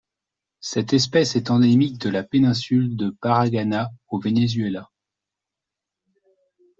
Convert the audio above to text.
Cette espèce est endémique de la péninsule de Paraguaná au Venezuela.